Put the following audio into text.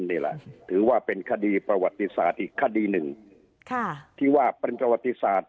นี่แหละถือว่าเป็นคดีประวัติศาสตร์อีกคดีหนึ่งที่ว่าเป็นประวัติศาสตร์